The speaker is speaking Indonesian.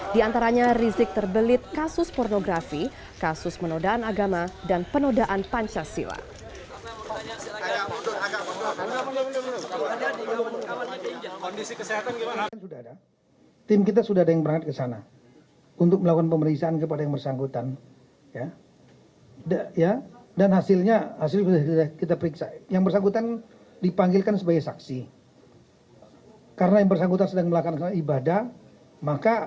di antaranya rizik terbelit kasus pornografi kasus menodaan agama dan penodaan pancasila